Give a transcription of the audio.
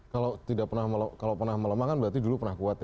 kalau tidak pernah melemah kalau pernah melemah kan berarti dulu pernah kuat ya